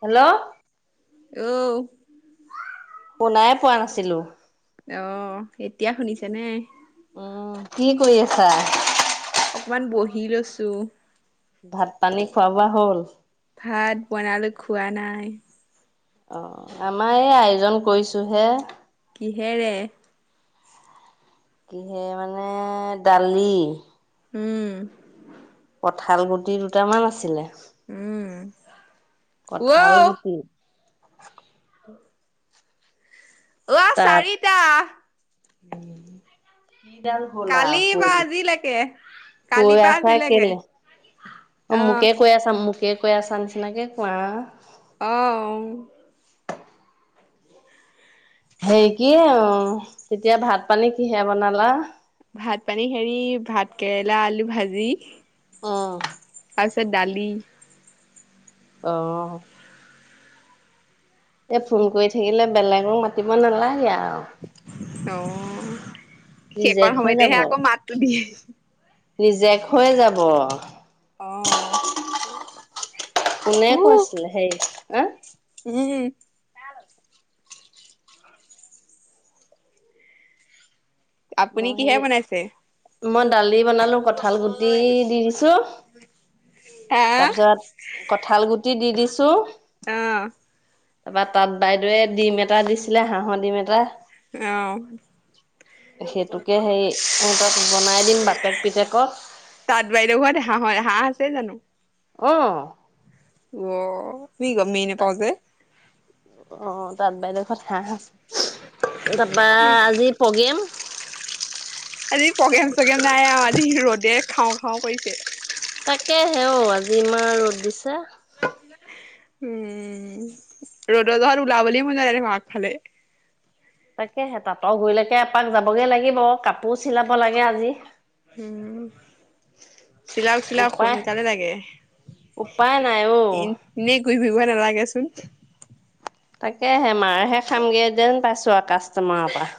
Hello, ঔ শুনাই পোৱা নাছিলো। অ' এতিয়া শুনিছে নে? কি কৰি আছা অকমান বহি লৈছো। ভাত পানী খোৱা বোৱা হ'ল? ভাত বনালে খোৱা নাই। অ' আমাৰ এই আয়োজন কৰিছোহে। কিহেৰে? কিহে মানে দালি। উম, কঠাল গুটি দুটামান আছিলে। উম, ঔ কঁঠাল গুটি। অহ' চাৰিটা। উ, [inaudible] কিডাল হ'ল আৰু কালি বা কয় আজিলৈকে কালি কৈ পৰা আছা। আজিলৈকে কেলে অ' মোকে কৈ আছা মোকে কৈ আছা নিচিনাকে কোৱা। অ হেৰি কি অ' তেতিয়া ভাত পানী কিহে বনালা। ভাত পানী হেৰি ভাত কেৰেলা আলু ভাজি। অ' তাৰপিছত দালি। অহ এ ফোন কৰি থাকিলে বেলেগক মাতিব নালাগে আৰু। অহ' এইবাৰ ৰিজেক্ট হৈ যাব সময়তেহে আকৌ মাতটো দি। ৰিজেক্ট হৈ যাব। অহ কোনে কৈছিল হেৰী হা আপুনি মই কিহে হেৰী বনাইছে মই দালি বনালো। কঠাল গুটি দি দিছো আহ তাৰপিছত কঠাল গুটি দি দিছো ছোঁ। অহ' তাৰ পা তাঁত বাইদেৱে ডিম এটা দিছিলে হাঁহৰ ডিম এটা। অহ' সেইটোকে হেৰি সিহঁতক বনাই দিম বাপেক পিতেকক তাঁত বাইদেউ ঘৰত হাঁহ হয় হাঁহ আছে জানো? অ ' অ' আমি গমেই নাপাওঁ যে অ' তাত বাইদেউ ঘৰত হাঁহ আছে। তাৰ পা আজি প্ৰগ্ৰেম? আজি প্ৰগেম চগ্ৰেম নাই আৰু আজি ৰ'দে খাওঁ খাওঁ কৰিছে। তাকে হেঁও আজি ইমাৰ ৰ'দ দিছে। উম ৰ'দত জহত ওলাবলৈ মন যায় আগ ফালে তাকেহে তাঁতৰ গুৰিলেকে এপাক যাবগৈ লাগিব কাপোৰ চিলাব লাগে আজি হম চিলাওক চিলাওক উপায় সোনকালে লাগে উপায় নাই অ ইনে ঘুৰি ফুৰিব নালাগে চোন তাকেহে মাৰহে খামগে যেন পাইছো আৰু কাষ্টোমাৰৰ পৰা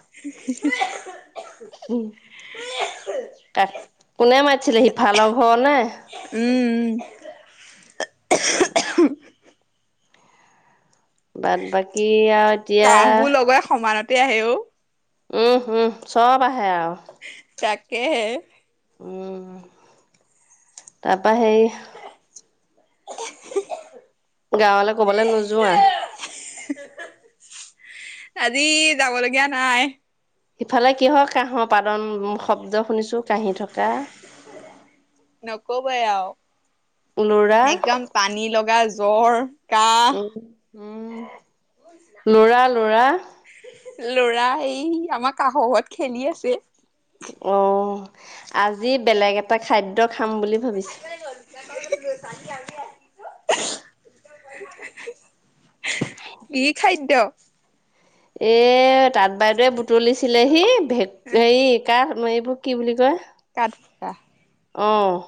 কোনে মাতিছিলে সি ফালৰ ঘৰ নে উম উম [inaudible] উ উ বাট বাকী আৰু এতিয়া তেতিয়া আহে অ উম উম চব আহে আৰু তাক তাকেহে উম তাৰপৰা সেই গাঁৱলৈ ক'বলৈ নোযোৱা? আজি যাব লগীয়া নাই। ইফালে কি হয় কাহৰ পাদন শব্দ? শুনিছো কাঁহি থকা নকব আৰু। লৰা একদম পানী লগা য জ্বৰ। কাহ উম-হুম। লৰা-লৰা? লৰা এই আমাৰ কাষৰ ঘৰত খেলি আছে। অ আজি বেলেগ এটা খাদ্য খাম বুলি ভাবিছো। কি খাদ্য? এ তাঁ বাইদে বুটলিছিল। লেহি। ভে হেৰি কাৰণ আপোনাৰ এইবোৰ কি বুলি কয়? তাটপকা। অহ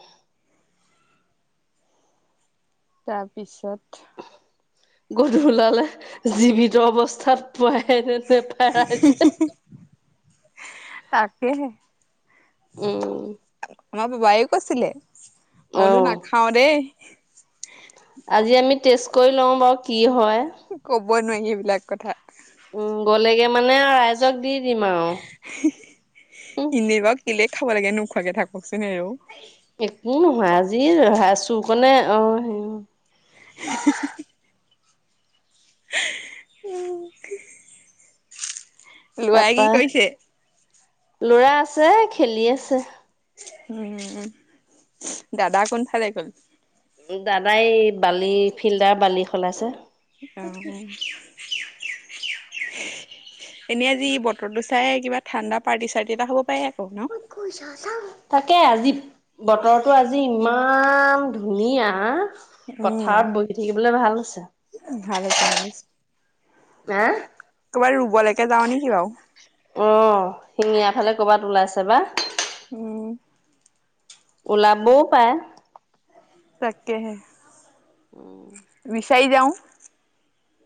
তাৰপিছত গধ ওলালে জীৱিত অৱস্থাত। [unintelligible] পাইচে? তাকেহে উম, আমাৰ বুবাইয়ো কৈছিলে। মই বোলো অ' নাখাও দেই। আজি আমি তেজ কৰি লওঁ বাৰু কি হয়। কব ক'ব নোৱাৰি এবিলাক কথা। উম, গ'লেগে মানে ৰাইজক দি দিম আৰু। উম। কেলেই খাব লাগে, নোখোৱাকে থাককচোন হেৰৌ। একো [unintelligible] [unintelligible] উম লোৱাই তাৰপা কি কৰিছে? লৰা আছে খেলি আছে। উম দাদা কোনফালে গল? দাদাই বালি ফিল্টাৰ বালি সলাইছে। অহ-অহ। এনেই আজি বতৰটো চাই কিবা ঠাণ্ডা পাৰ্টি-চাৰ্টি এটা হ'ব পাৰে। ন কত কৈছা চাও তাকে আজি। বতৰটো আজি ইমান ধুনীয়া। উম পথাৰত বহি থাকিবলৈ ভাল হৈছে। ভাল হৈছে হা ক'ৰবাৰ ৰুবলৈকে যাওঁ নেকি বাৰু। অঁ শিঙীয়া ফালে ক'ৰবাত ওলাইছে বা। উম ওলাবও' পাৰে। তাকেহে বিশ চাই যাওঁ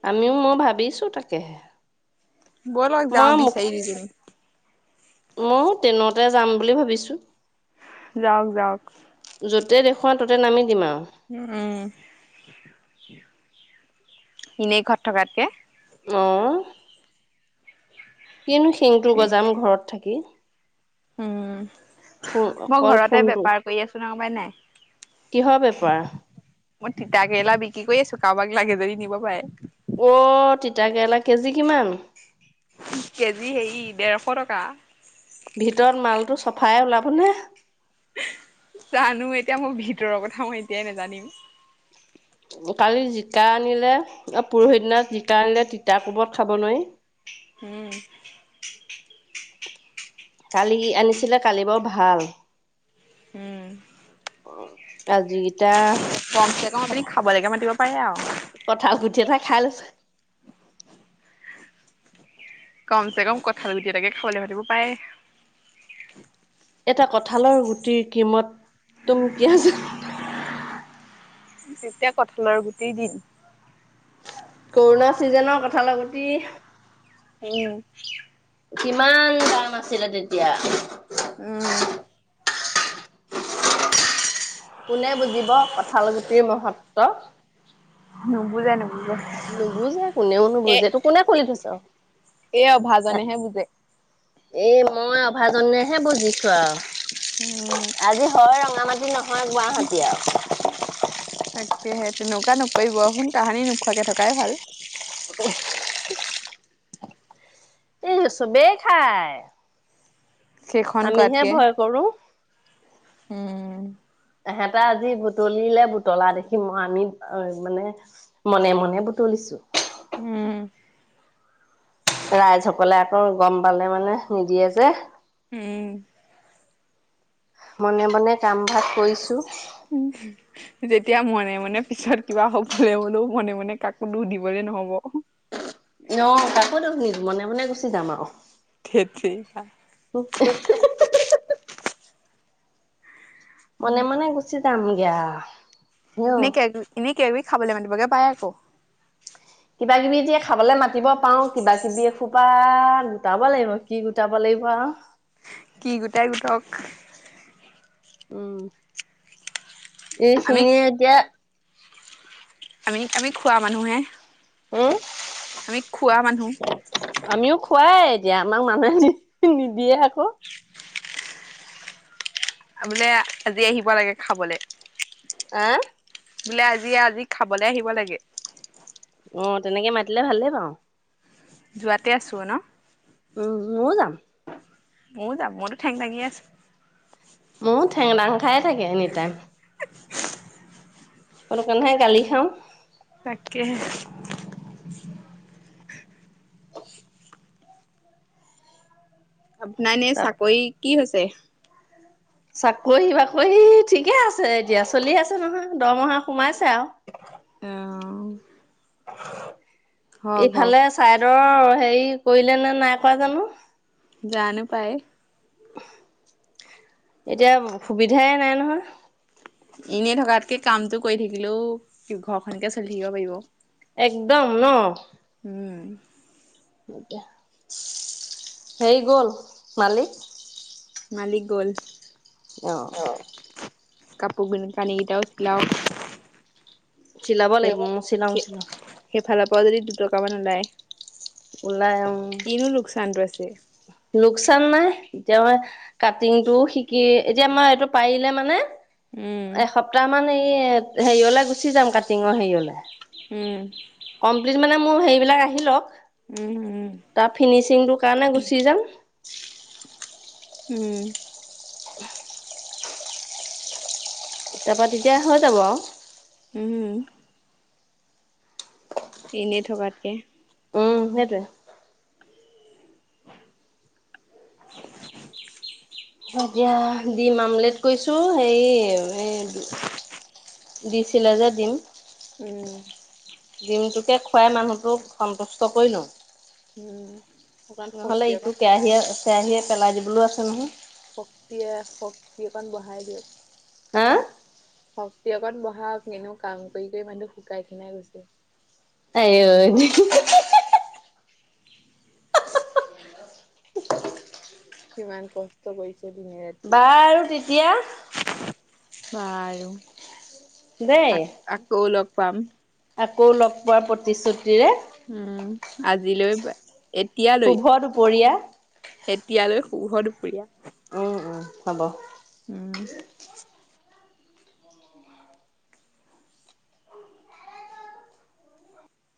আমিও মই ভাবিছো তাকেহে। ব'লক যাওঁ বিচাৰি দুইজনী। মইয়ো ট্ৰেইনতে যাম বুলি ভাবিছো। যাওক যাওক। কোৱা ততে নামি দিম আৰু। উম এনেই ঘৰত থকাতকে। অহ কিনো শিংটো গজাম ঘৰত থাকি। উম ফোন মই অকল ঘৰতে ফোনটো বেপাৰ কৰি আছো গম পাই নাই? কিহৰ বেপাৰ হয় মই তিতা কেৰেলা বিক্ৰী কৰি আছো? কাবাক লাগে যৰি নিব পাই। অ তিতাকেৰেলা কেজি কিমান। কেজি হেৰি ডেৰশ টকা। ভিতৰত মালটো চফাই ওলাব নে? জানো এতিয়া মোৰ ভিতৰৰ কথা মই এতিয়াই নেজানিম? কালি জিকা আনিলে পৰহি দনা জিকা আনিলে তিতা কোবত খাব নোৱাৰি? উম কালি আনিছিলে কালি বাৰু ভাল। উম ব কম চে কম আপুনি খাব লাগে মাতিব। পাৰে আও। কঁঠাল গুঠি এটা খাই লৈছো? কম চে কম কঠাল গতি তাকে খাবলৈ মাতিব পায়। এটা কঠালৰ গুটিৰ কিমত তুম কিয় জান। যেতিয়া কঠলৰ গোটি দিন। কৰোণা চিজনৰ কঠালৰ গুটি। উম কিমান দাম আছিলে তেতিয়া? উম কোনে বুজিব কঁঠাল গুটিৰ মহত্ব? নুবুজে নুবুজে। নুবুজে কোনেও নুবুজে তো কোনে খুলি থৈছে? অহ এ অভাজনেহে বুজে। এ মই অভাজনেহে বুজিছো আও। উম আজি হয় ৰ ৰঙামাতি ন নহয় গুৱাহাটী আও। কেহে তেনেকুৱা নকৰিব কোন কাহানি নোখোৱাকে থকাই ভাল। [unintelligible] এই চবেই খাই। সেইখন আমিহে কোৱাতকে ভয় কৰো। উম। তহেত আজি বুটলিলে বুটলা দেখিম মই আমি মানে-মনে মনে বুটলিছো। উম। ৰাইজসকলে আকৌ গম পালে মানে নিদিয়ে যে। উম মনে-মনে কাম ভাগ কৰিছো। যেতিয়া মনে-মনে পিছত কিবা হ'বলৈ হলেও মনে-মনে কাকো দুখ দিবলে নহব। অ তাকো দেখ মনে-মনে গুচি যাম আৰু। ধেৎ তেৰিকা। মনে-মনে গুচি চামগে আৰু। হেও। নিনকে এনেক কিবা-কবি খাবলৈ মাতিবগে পাই আকৌ। কিবা-কিবি এতিয়া খাবলৈ মাতিব পাও কিবা-কিবি এসোপা গোটাব লাগিব কি গোটাব লাগিব আৰু। কি গোটাই গোটক। উম আমি এইখিনিয়ে এতিয়া আমি-আমি খোৱা মানুহে। উম? আমি খোৱা মানুহ। খোৱাই এতিয়া আমাক মানুহে নি-নিদিয়ে আকৌ। বোলে আজি আহিব লাগে খাবলৈ। আহ? বোলে আজি-আজি খাবলে আহিব লাগে। অ তেনেকে মাতিলে ভালে পাওঁ যোৱাতে আছো ন উম ময়ো যাম ময় যাম মইতো ঠেং দাঙি আছো মোৰ ঠেং দাং খাই থাকে এনিটাইম সেইটো কানেহে গালি খাওঁ তাকে আপোনাৰ এনে তাৰ চাকৰি কি হৈছে। ছে চাকৰি বাকৰি ঠিকে আছে এতিয়া চলি আছে নহয় দৰমহা সোমাইছে আৰু আহ অ ইফালে চাইদৰ হেৰি কৰিলে নে নাই কৰোৱা জানো। জানো পায় এতিয়া সুবিধাই নাই নহয়। এনে থকাতকে কামতটো কৰি থাকিলেও ঘৰখনকে চলি থাকিব পাৰিব। একদম ন উম এতিয়া হেৰি গল মালিক। মালিক গ'ল অ কাপোৰ বিন পানী কেইটাও ছিলাও চিলাব লাগিব চিলাম ম ছিলিল ভালা পাৱা যদি দুটকামান ওলায় ওলাই ম উ লোকচান নাই এতিয়া মই কাটিংটো শিকি এতিয়া মই এইটো পাৰিলে মানে উম, এসপ্তাহ মান এই হেৰিয়লে গুচি যাম কাটিঙৰ হেৰিয়লে উম কমপ্লিট মানে মোৰ হেৰিবলাক আহি লওক উম, উম, তাৰ ফিনিচিংটোৰ কাৰণে গুচি যাম উম উ তাৰাপা তেতিয়া হৈ যাব আৰু উম এনেই থকাতকে উম সেইটো [inaudible] তিয়া দিম আমলেট কৈছো, হে এই দি চিলাজা দিম। উম। ডিমটোকে খুৱাই মানুহটোক সন্তুষ্ট কৰি লওঁ। উম। অকণ নহ'লে শক্তি ইটো অকণ বঢ়াই কেৰাহীয়ে-কেৰাহীয়ে পেলাই দিবলৈও আছে নহয়। শক্তিয়ে শক্তি অকণ বঢ়াই দিয়ক। হা? শক্তি অকত বঢহাক, কিনো কাম কৰি-কৰি মানুহ শুকাই খিনাই গৈছে। আইঔ [unintelligible] কিমান কষ্ট কৰিছ বাৰু তেতিয়া বাৰু। দেই আ আকৌল পাম। আকৌ লগ পোৱাৰ প্ৰতিশ্ৰুতিৰে। উম আজিলৈ এতিয়ালৈ শুভ দুপৰীয়া। এতিয়ালৈ শুহ দুপৰীয়া। উম হ'ব উম